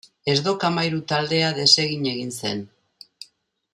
Ez Dok Amairu taldea desegin egin zen.